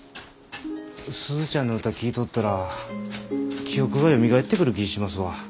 鈴ちゃんの歌聴いとったら記憶がよみがえってくる気ぃしますわ。